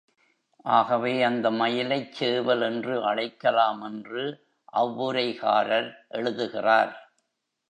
ஆகவே அந்த மயிலைச் சேவல் என்று அழைக்கலாம் என்று அவ்வுரைகாரர் எழுதுகிறார்.